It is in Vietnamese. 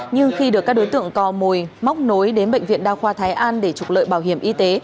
nhưng khi được các đối tượng cò mồi móc nối đến bệnh viện đa khoa thái an để trục lợi bảo hiểm y tế